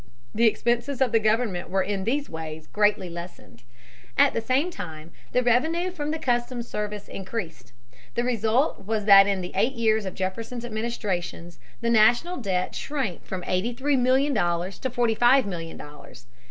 The expenses of the government were in these ways greatly lessened. At the same time the revenue from the customs service increased. The result was that in the eight years of Jefferson's administrations the national debt shrank from eighty three million dollars to forty five million dollars.